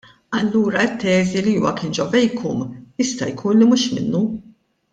Allura t-teżi li huwa kien ġo vacuum jista' jkun li mhux minnu.